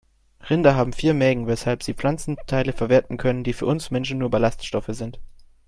Rinder haben vier Mägen, weshalb sie Pflanzenteile verwerten können, die für uns Menschen nur Ballaststoffe sind.